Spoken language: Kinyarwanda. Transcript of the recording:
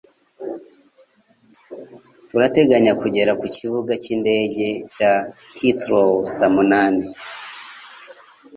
Turateganya kugera ku kibuga cy'indege cya Heathrow saa munani.